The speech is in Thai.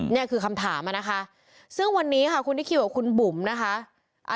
นี่คือคำถามนะคะซึ่งวันนี้ค่ะคุณที่คิวกับคุณบุ๋มนะคะ